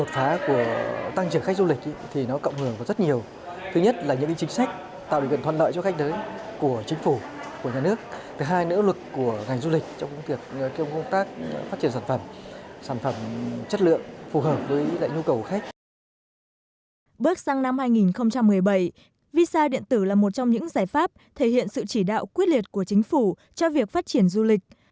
bước sang năm hai nghìn một mươi bảy visa điện tử là một trong những giải pháp thể hiện sự chỉ đạo quyết liệt của chính phủ cho việc phát triển du lịch